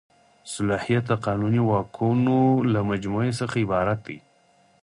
صلاحیت د قانوني واکونو له مجموعې څخه عبارت دی.